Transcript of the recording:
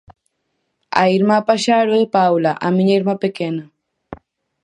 A irmá paxaro é Paula, a miña irmá pequena.